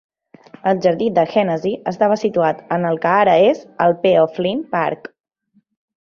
El jardí de Hennessy estava situat en el que ara és el P. O'Flynn Park.